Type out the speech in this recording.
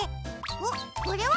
おっこれは？